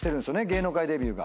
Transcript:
芸能界デビュー。